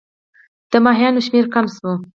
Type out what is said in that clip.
د کبانو شمیر کم شو.